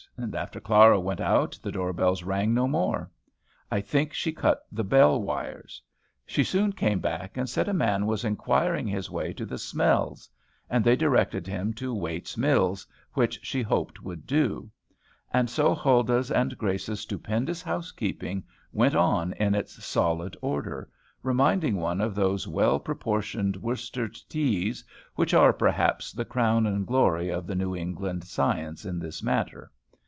And after Clara went out, the door bells rang no more. I think she cut the bell wires. She soon came back, and said a man was inquiring his way to the "Smells;" and they directed him to "Wait's Mills," which she hoped would do. And so Huldah's and Grace's stupendous housekeeping went on in its solid order, reminding one of those well proportioned Worcester teas which are, perhaps, the crown and glory of the New England science in this matter.